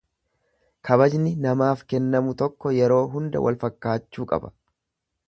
Kabajni namaaf kennamu tokko yeroo hunda wal fakkaachuu qaba.